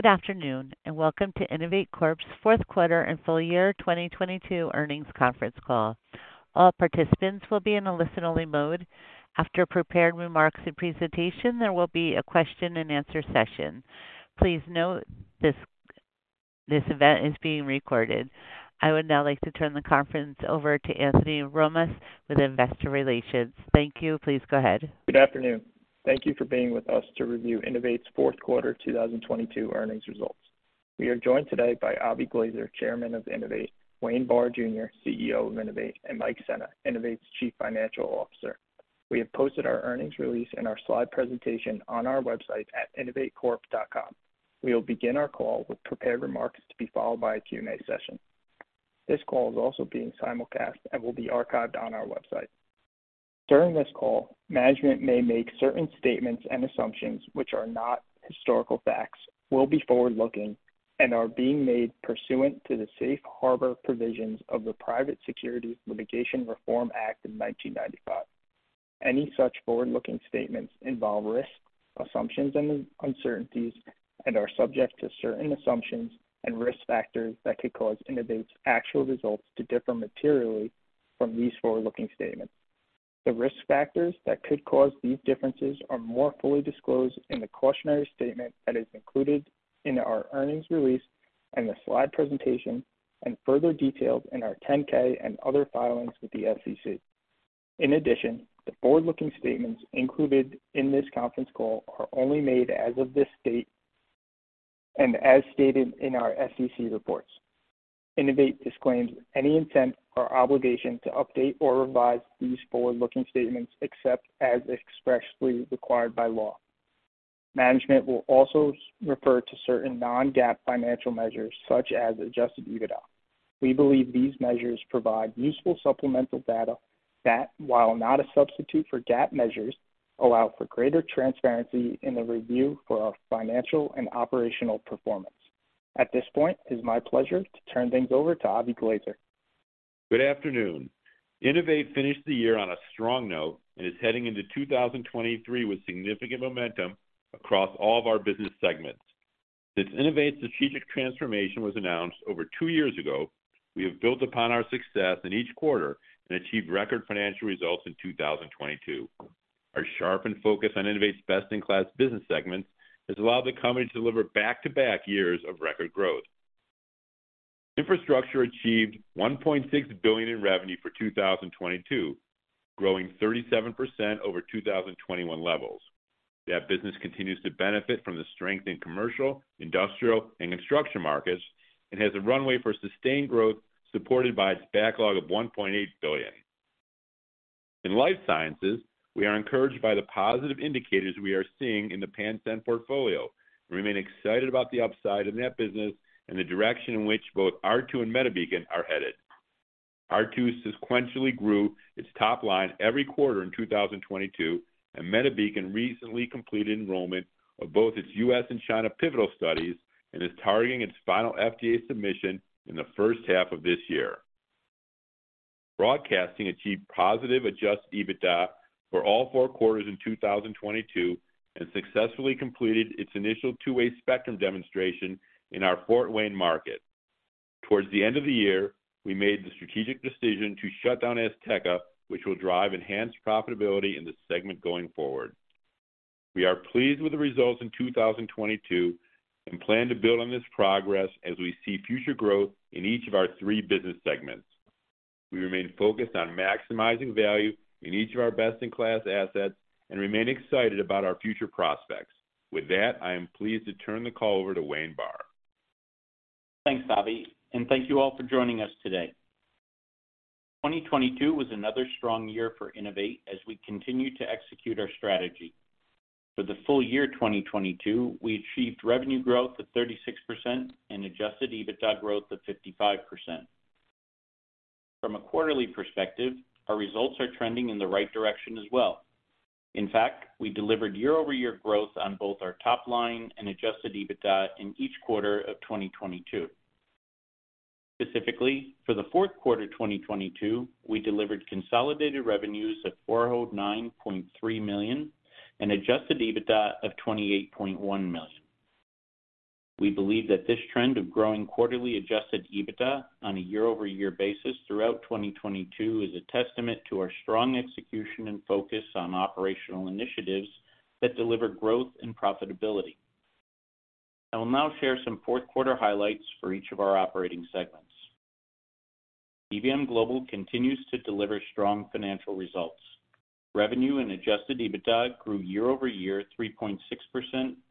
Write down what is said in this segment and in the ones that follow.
Good afternoon, welcome to INNOVATE Corp's fourth quarter and full year 2022 earnings conference call. All participants will be in a listen-only mode. After prepared remarks and presentation, there will be a question-and-answer session. Please note this event is being recorded. I would now like to turn the conference over to Anthony Rozmus with Investor Relations. Thank you. Please go ahead. Good afternoon. Thank you for being with us to review INNOVATE's fourth quarter 2022 earnings results. We are joined today by Avie Glazer, Chairman of INNOVATE, Wayne Barr, Jr., CEO of INNOVATE, and Michael Sena, INNOVATE's Chief Financial Officer. We have posted our earnings release and our slide presentation on our website at INNOVATECorp.com. We will begin our call with prepared remarks to be followed by a Q&A session. This call is also being simulcast and will be archived on our website. During this call, management may make certain statements and assumptions which are not historical facts, will be forward-looking, and are being made pursuant to the safe harbor provisions of the Private Securities Litigation Reform Act of 1995. Any such forward-looking statements involve risks, assumptions, and uncertainties and are subject to certain assumptions and risk factors that could cause INNOVATE's actual results to differ materially from these forward-looking statements. The risk factors that could cause these differences are more fully disclosed in the cautionary statement that is included in our earnings release and the slide presentation and further detailed in our Form 10-K and other filings with the SEC. The forward-looking statements included in this conference call are only made as of this date and as stated in our SEC reports. INNOVATE disclaims any intent or obligation to update or revise these forward-looking statements except as expressly required by law. Management will also refer to certain non-GAAP financial measures, such as Adjusted EBITDA. We believe these measures provide useful supplemental data that, while not a substitute for GAAP measures, allow for greater transparency in the review for our financial and operational performance. At this point, it's my pleasure to turn things over to Avie Glazer. Good afternoon. INNOVATE finished the year on a strong note and is heading into 2023 with significant momentum across all of our business segments. Since INNOVATE's strategic transformation was announced over two years ago, we have built upon our success in each quarter and achieved record financial results in 2022. Our sharpened focus on INNOVATE's best-in-class business segments has allowed the company to deliver back-to-back years of record growth. Infrastructure achieved $1.6 billion in revenue for 2022, growing 37% over 2021 levels. That business continues to benefit from the strength in commercial, industrial, and construction markets and has a runway for sustained growth, supported by its backlog of $1.8 billion. In life sciences, we are encouraged by the positive indicators we are seeing in the Pansend portfolio. We remain excited about the upside in that business and the direction in which both R2 and MediBeacon are headed. R2 sequentially grew its top line every quarter in 2022, and MediBeacon recently completed enrollment of both its U.S. and China pivotal studies and is targeting its final FDA submission in the first half of this year. Broadcasting achieved positive Adjusted EBITDA for all four quarters in 2022 and successfully completed its initial two-way spectrum demonstration in our Fort Wayne market. Towards the end of the year, we made the strategic decision to shut down Azteca, which will drive enhanced profitability in the segment going forward. We are pleased with the results in 2022 and plan to build on this progress as we see future growth in each of our three business segments. We remain focused on maximizing value in each of our best-in-class assets and remain excited about our future prospects. With that, I am pleased to turn the call over to Wayne Barr. Thanks, Avie. Thank you all for joining us today. 2022 was another strong year for INNOVATE Corp as we continue to execute our strategy. For the full year 2022, we achieved revenue growth of 36% and Adjusted EBITDA growth of 55%. From a quarterly perspective, our results are trending in the right direction as well. In fact, we delivered year-over-year growth on both our top line and Adjusted EBITDA in each quarter of 2022. Specifically, for the fourth quarter 2022, we delivered consolidated revenues of $409.3 million and Adjusted EBITDA of $28.1 million. We believe that this trend of growing quarterly Adjusted EBITDA on a year-over-year basis throughout 2022 is a testament to our strong execution and focus on operational initiatives that deliver growth and profitability. I will now share some fourth quarter highlights for each of our operating segments. DBM Global continues to deliver strong financial results. Revenue and Adjusted EBITDA grew year-over-year 3.6%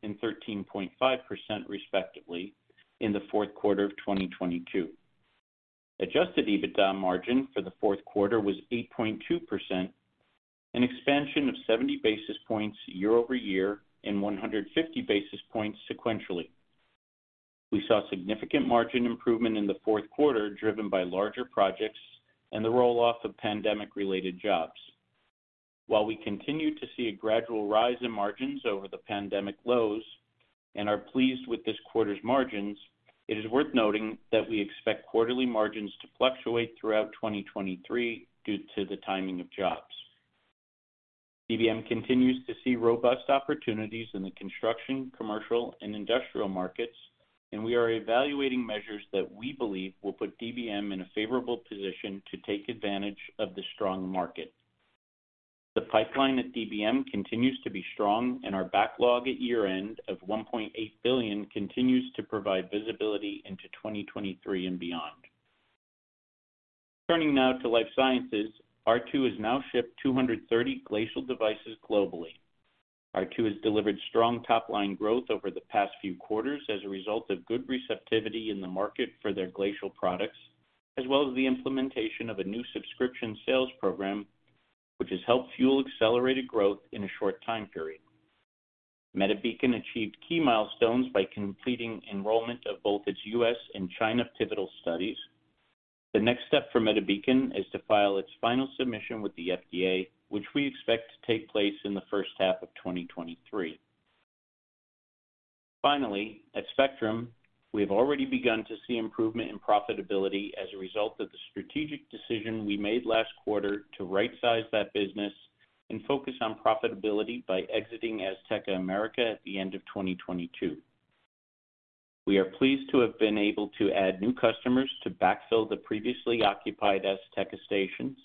and 13.5%, respectively, in the fourth quarter of 2022. Adjusted EBITDA margin for the fourth quarter was 8.2%, an expansion of 70 basis points year-over-year and 150 basis points sequentially. We saw significant margin improvement in the fourth quarter, driven by larger projects and the roll-off of pandemic-related jobs. While we continue to see a gradual rise in margins over the pandemic lows and are pleased with this quarter's margins, it is worth noting that we expect quarterly margins to fluctuate throughout 2023 due to the timing of jobs. DBM continues to see robust opportunities in the construction, commercial, and industrial markets, and we are evaluating measures that we believe will put DBM in a favorable position to take advantage of the strong market. The pipeline at DBM continues to be strong and our backlog at year-end of $1.8 billion continues to provide visibility into 2023 and beyond. Turning now to life sciences. R2 has now shipped 230 Glacial devices globally. R2 has delivered strong top-line growth over the past few quarters as a result of good receptivity in the market for their Glacial products, as well as the implementation of a new subscription sales program, which has helped fuel accelerated growth in a short time period. MediBeacon achieved key milestones by completing enrollment of both its U.S. and China pivotal studies. The next step for MediBeacon is to file its final submission with the FDA, which we expect to take place in the first half of 2023. At Spectrum, we have already begun to see improvement in profitability as a result of the strategic decision we made last quarter to rightsize that business and focus on profitability by exiting Azteca America at the end of 2022. We are pleased to have been able to add new customers to backfill the previously occupied Azteca stations.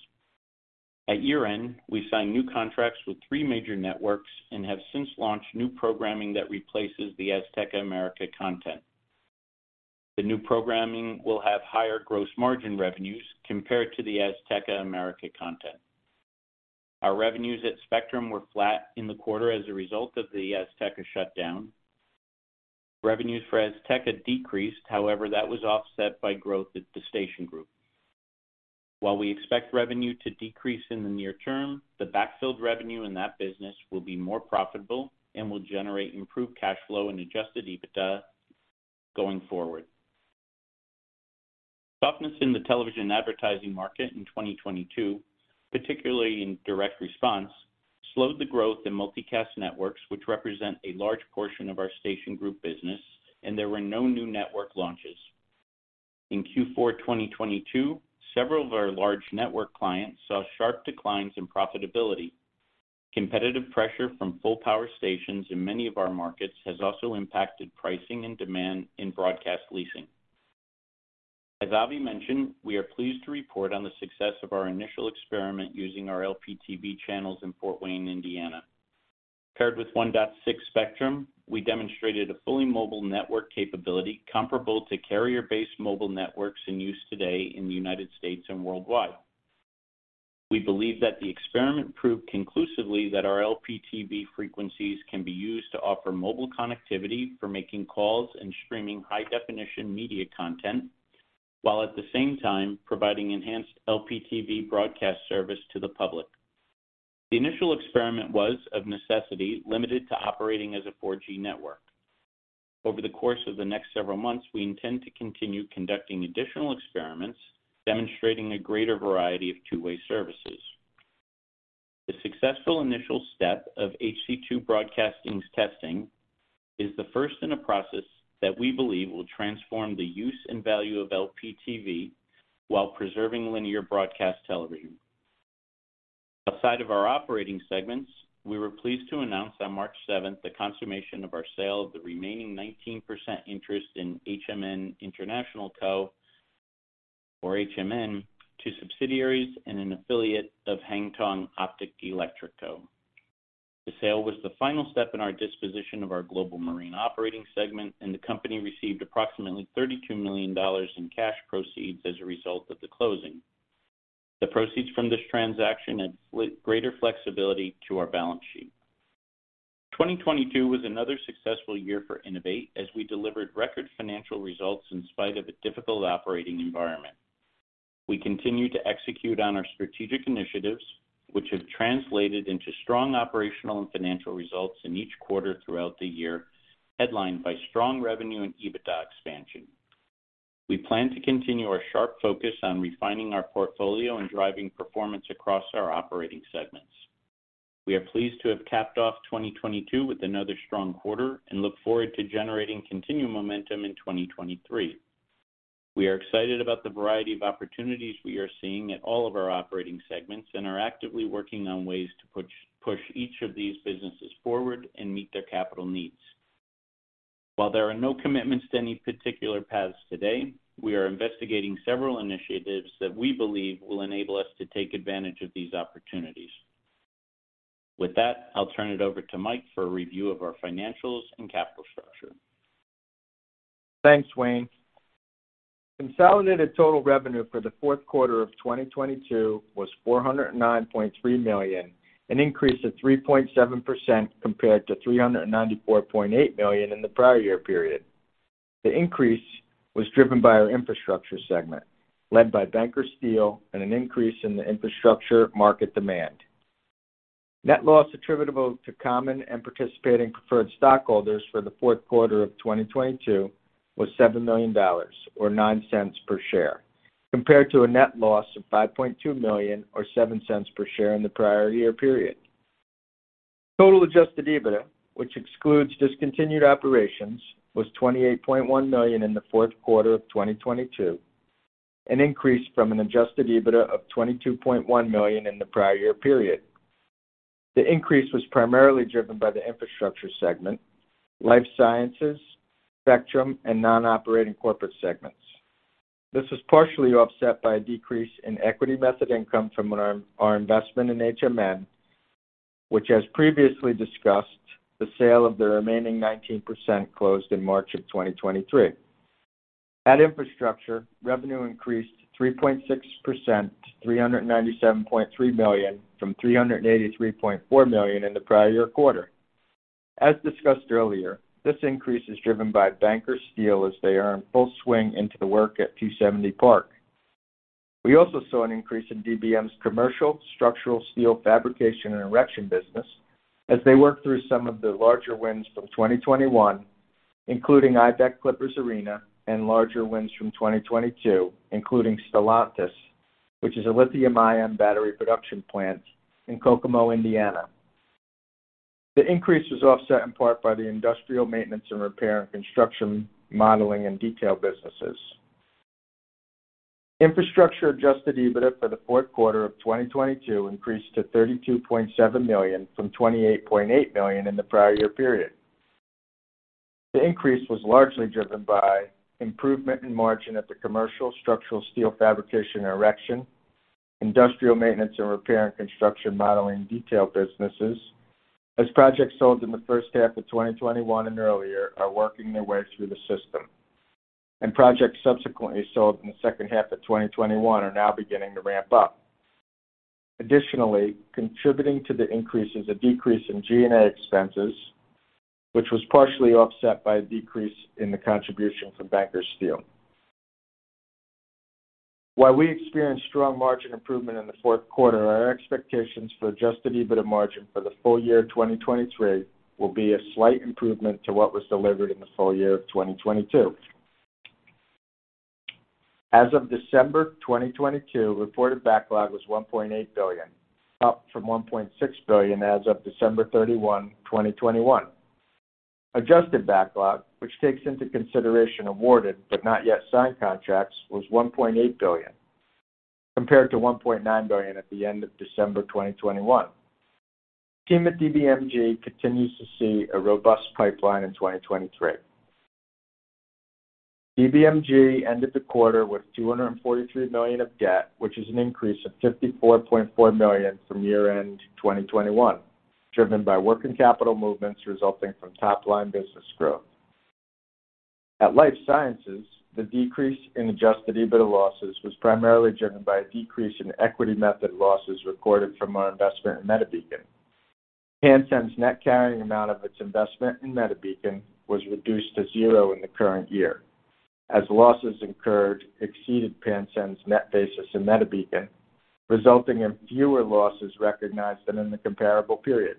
At year-end, we signed new contracts with three major networks and have since launched new programming that replaces the Azteca America content. The new programming will have higher gross margin revenues compared to the Azteca America content. Our revenues at Spectrum were flat in the quarter as a result of the Azteca shutdown. Revenues for Azteca decreased, however, that was offset by growth at the station group. While we expect revenue to decrease in the near term, the backfilled revenue in that business will be more profitable and will generate improved cash flow and Adjusted EBITDA going forward. Softness in the television advertising market in 2022, particularly in direct response, slowed the growth in multicast networks, which represent a large portion of our station group business, and there were no new network launches. In Q4 2022, several of our large network clients saw sharp declines in profitability. Competitive pressure from full power stations in many of our markets has also impacted pricing and demand in broadcast leasing. As Avie mentioned, we are pleased to report on the success of our initial experiment using our LPTV channels in Fort Wayne, Indiana. Paired with 1.6 spectrum, we demonstrated a fully mobile network capability comparable to carrier-based mobile networks in use today in the United States and worldwide. We believe that the experiment proved conclusively that our LPTV frequencies can be used to offer mobile connectivity for making calls and streaming high-definition media content, while at the same time providing enhanced LPTV broadcast service to the public. The initial experiment was, of necessity, limited to operating as a 4G network. Over the course of the next several months, we intend to continue conducting additional experiments demonstrating a greater variety of two-way services. The successful initial step of HC2 Broadcasting's testing is the first in a process that we believe will transform the use and value of LPTV while preserving linear broadcast television. Outside of our operating segments, we were pleased to announce on March 7th the consummation of our sale of the remaining 19% interest in HMN International Co, or HMN, to subsidiaries and an affiliate of Hengtong Optic-Electric Co. The sale was the final step in our disposition of our global marine operating segment, and the company received approximately $32 million in cash proceeds as a result of the closing. The proceeds from this transaction add greater flexibility to our balance sheet. 2022 was another successful year for INNOVATE as we delivered record financial results in spite of a difficult operating environment. We continue to execute on our strategic initiatives, which have translated into strong operational and financial results in each quarter throughout the year, headlined by strong revenue and EBITDA expansion. We plan to continue our sharp focus on refining our portfolio and driving performance across our operating segments. We are pleased to have capped off 2022 with another strong quarter and look forward to generating continued momentum in 2023. We are excited about the variety of opportunities we are seeing at all of our operating segments and are actively working on ways to push each of these businesses forward and meet their capital needs. While there are no commitments to any particular paths today, we are investigating several initiatives that we believe will enable us to take advantage of these opportunities. With that, I'll turn it over to Mike for a review of our financials and capital structure. Thanks, Wayne. Consolidated total revenue for the fourth quarter of 2022 was $409.3 million, an increase of 3.7% compared to $394.8 million in the prior year period. The increase was driven by our infrastructure segment, led by Banker Steel and an increase in the infrastructure market demand. Net loss attributable to common and participating preferred stockholders for the fourth quarter of 2022 was $7 million or $0.09 per share, compared to a net loss of $5.2 million or $0.07 per share in the prior year period. Total Adjusted EBITDA, which excludes discontinued operations, was $28.1 million in the fourth quarter of 2022. An increase from an Adjusted EBITDA of $22.1 million in the prior year period. The increase was primarily driven by the Infrastructure segment, Life Sciences, Spectrum, and non-operating corporate segments. This was partially offset by a decrease in equity method income from our investment in HMN, which as previously discussed, the sale of the remaining 19% closed in March of 2023. At Infrastructure, revenue increased 3.6% to $397.3 million from $383.4 million in the prior year quarter. As discussed earlier, this increase is driven by Banker Steel as they are in full swing into the work at 270 Park. We also saw an increase in DBM's commercial structural steel fabrication and erection business as they work through some of the larger wins from 2021, including IBEC Clippers Arena and larger wins from 2022, including Stellantis, which is a lithium ion battery production plant in Kokomo, Indiana. The increase was offset in part by the industrial maintenance and repair and construction modeling and detail businesses. Infrastructure Adjusted EBITDA for the fourth quarter of 2022 increased to $32.7 million from $28.8 million in the prior year period. The increase was largely driven by improvement in margin at the commercial structural steel fabrication and erection, industrial maintenance and repair and construction modeling and detail businesses, as projects sold in the first half of 2021 and earlier are working their way through the system. Projects subsequently sold in the second half of 2021 are now beginning to ramp up. Additionally, contributing to the increase is a decrease in G&A expenses, which was partially offset by a decrease in the contribution from Banker Steel. While we experienced strong margin improvement in the fourth quarter, our expectations for Adjusted EBITDA margin for the full year 2023 will be a slight improvement to what was delivered in the full year of 2022. As of December 2022, reported backlog was $1.8 billion, up from $1.6 billion as of December 31, 2021. Adjusted backlog, which takes into consideration awarded but not yet signed contracts, was $1.8 billion, compared to $1.9 billion at the end of December 2021. The team at DBMG continues to see a robust pipeline in 2023. DBMG ended the quarter with $243 million of debt, which is an increase of $54.4 million from year-end 2021, driven by working capital movements resulting from top-line business growth. At Life Sciences, the decrease in Adjusted EBITDA losses was primarily driven by a decrease in equity method losses recorded from our investment in MediBeacon. Pansend's net carrying amount of its investment in MediBeacon was reduced to zero in the current year as losses incurred exceeded Pansend's net basis in MediBeacon, resulting in fewer losses recognized than in the comparable period.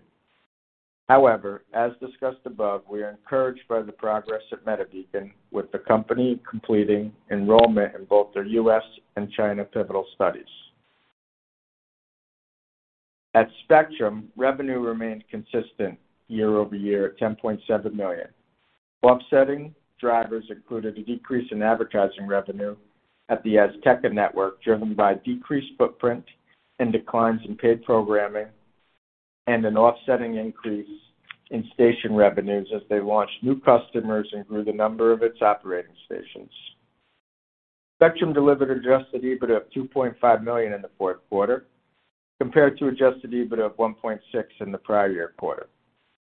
However, as discussed above, we are encouraged by the progress at MediBeacon, with the company completing enrollment in both their US and China pivotal studies. At Spectrum, revenue remained consistent year-over-year at $10.7 million. Offsetting drivers included a decrease in advertising revenue at the Azteca network, driven by decreased footprint and declines in paid programming and an offsetting increase in station revenues as they launched new customers and grew the number of its operating stations. Spectrum delivered Adjusted EBITDA of $2.5 million in the fourth quarter compared to Adjusted EBITDA of $1.6 million in the prior year quarter.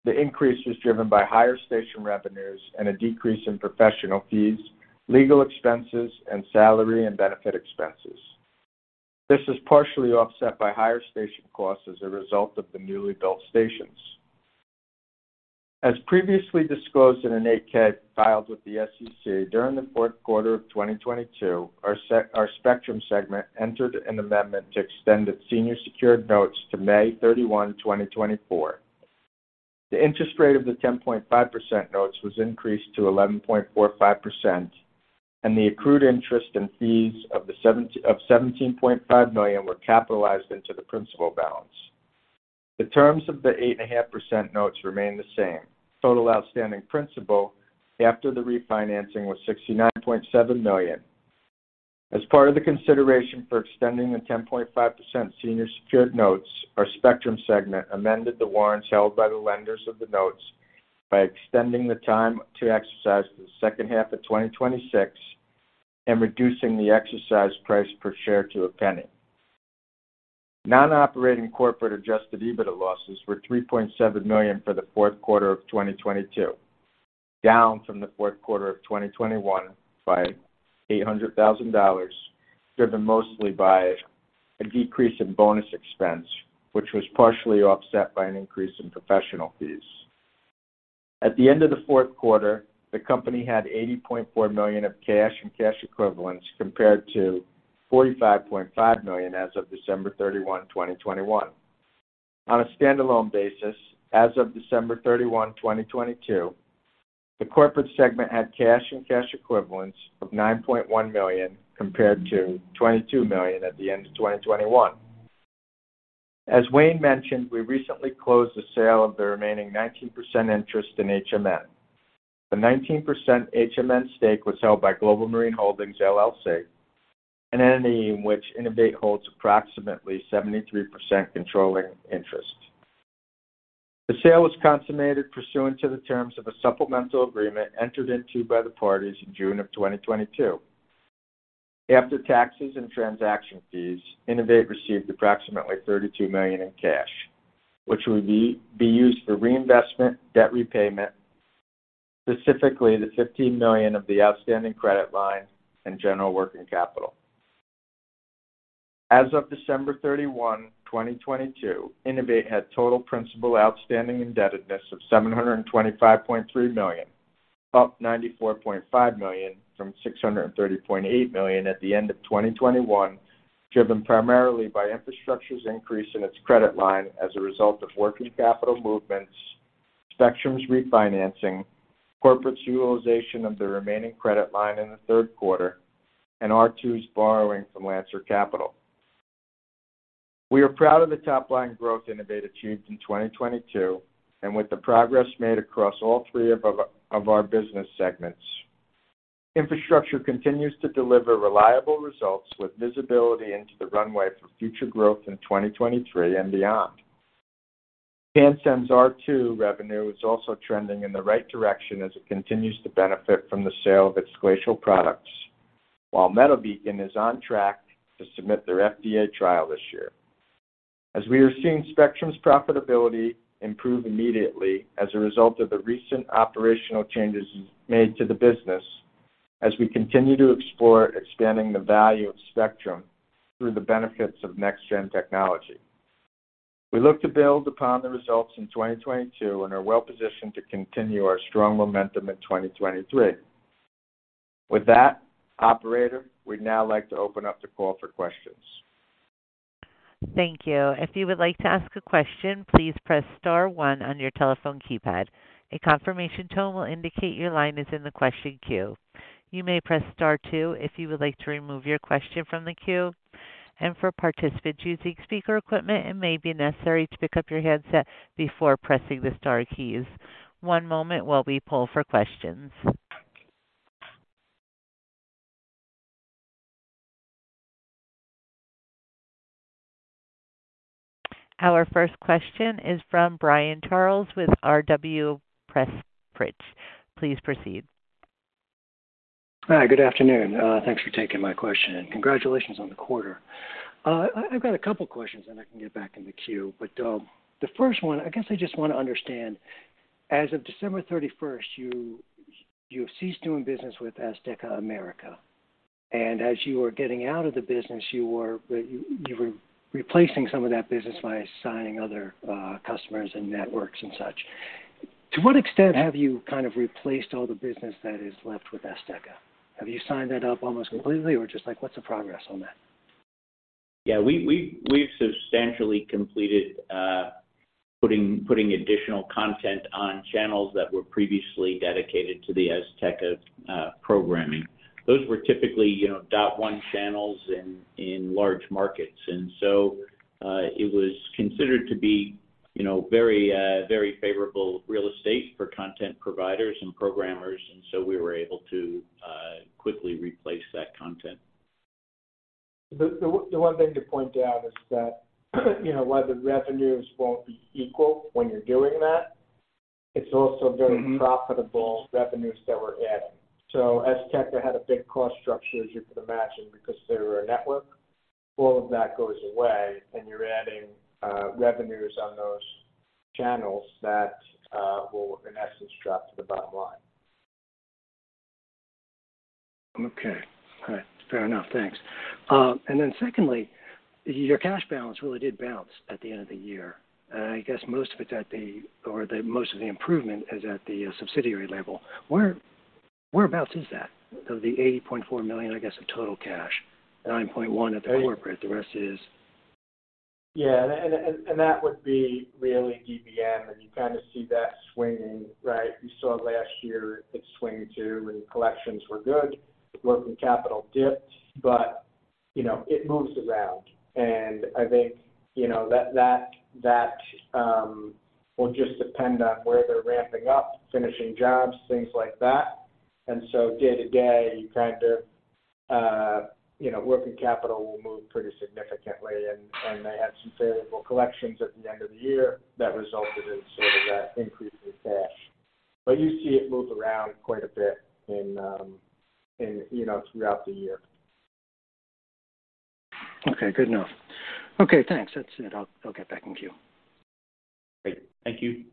The increase was driven by higher station revenues and a decrease in professional fees, legal expenses, and salary and benefit expenses. This is partially offset by higher station costs as a result of the newly built stations. As previously disclosed in a Form 8-K filed with the SEC, during the fourth quarter of 2022, our Spectrum segment entered an amendment to extend its senior secured notes to May 31, 2024. The interest rate of the 10.5% notes was increased to 11.45%, and the accrued interest and fees of $17.5 million were capitalized into the principal balance. The terms of the 8.5% notes remain the same. Total outstanding principal after the refinancing was $69.7 million. As part of the consideration for extending the 10.5% senior secured notes, our Spectrum segment amended the warrants held by the lenders of the notes by extending the time to exercise to the second half of 2026 and reducing the exercise price per share to $0.01. Non-operating corporate Adjusted EBITDA losses were $3.7 million for the fourth quarter of 2022, down from the fourth quarter of 2021 by $800,000, driven mostly by a decrease in bonus expense, which was partially offset by an increase in professional fees. At the end of the fourth quarter, the company had $80.4 million of cash and cash equivalents, compared to $45.5 million as of December 31, 2021. On a standalone basis, as of December 31, 2022, the corporate segment had cash and cash equivalents of $9.1 million, compared to $22 million at the end of 2021. As Wayne mentioned, we recently closed the sale of the remaining 19% interest in HMN. The 19% HMN stake was held by Global Marine Holdings, LLC, an entity in which INNOVATE holds approximately 73% controlling interest. The sale was consummated pursuant to the terms of a supplemental agreement entered into by the parties in June of 2022. After taxes and transaction fees, INNOVATE received approximately $32 million in cash, which will be used for reinvestment, debt repayment, specifically the $15 million of the outstanding credit line and general working capital. As of December 31, 2022, INNOVATE had total principal outstanding indebtedness of $725.3 million, up $94.5 million from $630.8 million at the end of 2021, driven primarily by Infrastructure's increase in its credit line as a result of working capital movements, Spectrum's refinancing, Corporate's utilization of the remaining credit line in the third quarter, and R2's borrowing from Lancer Capital. We are proud of the top line growth INNOVATE achieved in 2022 and with the progress made across all three of our business segments. Infrastructure continues to deliver reliable results with visibility into the runway for future growth in 2023 and beyond. Pansend's R2 revenue is also trending in the right direction as it continues to benefit from the sale of its Glacial products. While MediBeacon is on track to submit their FDA trial this year. As we are seeing Spectrum's profitability improve immediately as a result of the recent operational changes made to the business, as we continue to explore expanding the value of Spectrum through the benefits of next-gen technology. We look to build upon the results in 2022 and are well-positioned to continue our strong momentum in 2023. Operator, we'd now like to open up the call for questions. Thank you. If you would like to ask a question, please press star one on your telephone keypad. A confirmation tone will indicate your line is in the question queue. You may press star two if you would like to remove your question from the queue. For participants using speaker equipment, it may be necessary to pick up your headset before pressing the star keys. One moment while we pull for questions. Our first question is from Brian Charles with R.W. Pressprich. Please proceed. Hi, good afternoon. Thanks for taking my question, and congratulations on the quarter. I've got a couple questions, and I can get back in the queue. The first one, I guess I just wanna understand, as of December 31st, you have ceased doing business with Azteca America. As you were getting out of the business, you were replacing some of that business by signing other customers and networks and such. To what extent have you kind of replaced all the business that is left with Azteca? Have you signed that up almost completely, or just, like, what's the progress on that? Yeah, we've substantially completed putting additional content on channels that were previously dedicated to the Azteca programming. Those were typically, you know, dot one channels in large markets. It was considered to be, you know, very favorable real estate for content providers and programmers, and so we were able to quickly replace that content. The one thing to point out is that, you know, while the revenues won't be equal when you're doing that, it's also very profitable revenues that we're adding. Azteca had a big cost structure, as you can imagine, because they're a network. All of that goes away, and you're adding revenues on those channels that will, in essence, drop to the bottom line. Okay. All right. Fair enough. Thanks. Then secondly, your cash balance really did bounce at the end of the year. I guess most of the improvement is at the subsidiary level. Where, whereabouts is that? Of the $80.4 million, I guess, of total cash, $9.1 at the corporate, the rest is... Yeah, and that would be really DBM, and you kinda see that swinging, right? You saw it last year, it swing too, and collections were good. Working capital dipped, but, you know, it moves around. I think, you know, that will just depend on where they're ramping up, finishing jobs, things like that. Day to day, you kind of, you know, working capital will move pretty significantly and they had some favorable collections at the end of the year that resulted in sort of that increase in cash. You see it move around quite a bit in, you know, throughout the year. Okay, good enough. Okay, thanks. That's it. I'll get back in queue. Great. Thank you.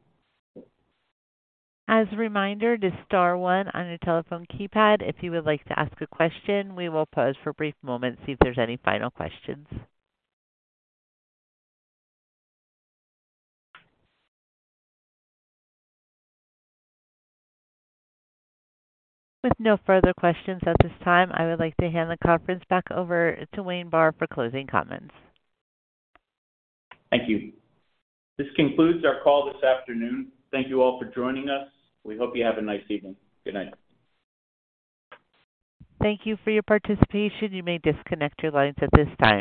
As a reminder, just star one on your telephone keypad if you would like to ask a question. We will pause for a brief moment, see if there's any final questions. With no further questions at this time, I would like to hand the conference back over to Wayne Barr for closing comments. Thank you. This concludes our call this afternoon. Thank you all for joining us. We hope you have a nice evening. Good night. Thank you for your participation. You may disconnect your lines at this time.